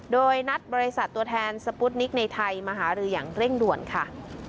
โดยนัดบริษัทตัวแทนสปูตนิกในไทยมาหารืออย่างเร่งด่วนค่ะ